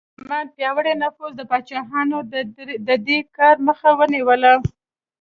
د پارلمان پیاوړي نفوذ د پاچاهانو د دې کار مخه ونیوله.